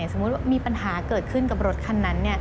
สมมุติว่ามีปัญหาเกิดขึ้นกับรถคันนั้น